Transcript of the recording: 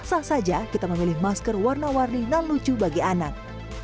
sah saja kita memilih masker warna warni dan lucu bagi anak